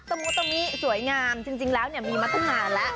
ตรงนี้ตรงนี้สวยงามจริงแล้วมีมาตั้งนานแล้ว